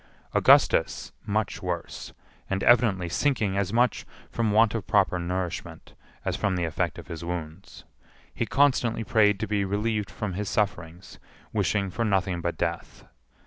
Augustus much worse, and evidently sinking as much from want of proper nourishment as from the effect of his wounds. He constantly prayed to be relieved from his sufferings, wishing for nothing but death.